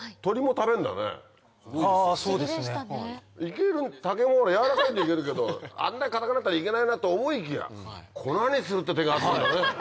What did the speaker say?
あそうですね。竹も柔らかいと行けるけどあんな堅くなったら行けないなと思いきや粉にするって手があったんだね。